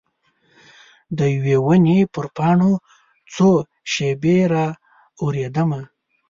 د یوي ونې پر پاڼو څو شیبې را اوریدمه